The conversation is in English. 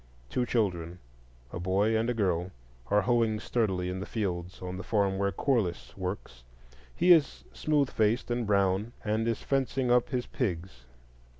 Two children—a boy and a girl—are hoeing sturdily in the fields on the farm where Corliss works. He is smooth faced and brown, and is fencing up his pigs.